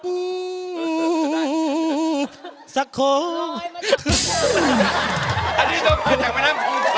รอยมาจากโรงคลา